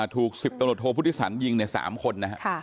ถูกสิบตณโทพุทธิศัะยิงในสามคน